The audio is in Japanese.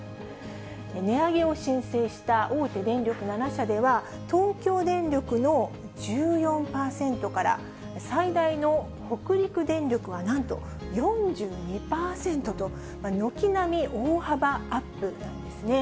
値上げを申請した大手電力７社では、東京電力の１４％から、最大の北陸電力はなんと４２％と、軒並み大幅アップなんですね。